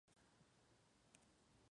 Es un aeropuerto de tamaño pequeño.